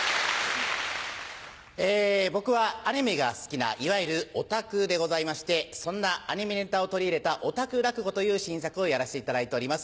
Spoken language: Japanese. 僕はアニメが好きないわゆるヲタクでございましてそんなアニメネタを取り入れた「ヲタク落語」という新作をやらせていただいております。